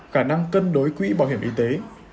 khả năng cân đối quỹ bảo hiểm y tế